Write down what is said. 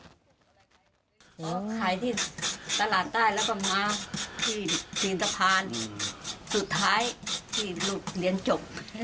ขายที่ตลาดใต้แล้วก็มาที่ตีนสะพานสุดท้ายที่ลูกเรียนจบ